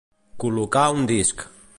Col·locar un disc.